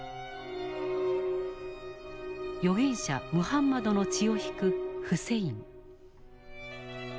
預言者ムハンマドの血を引くフセイン。